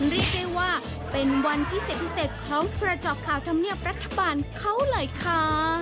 เรียกได้ว่าเป็นวันพิเศษพิเศษของกระจอกข่าวธรรมเนียบรัฐบาลเขาเลยค่ะ